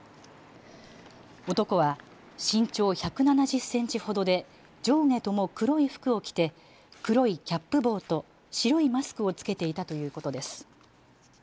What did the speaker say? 男は身長１７０センチほどで上下とも黒い服を着て黒いキャップ帽と白いマスクを着けていたということです。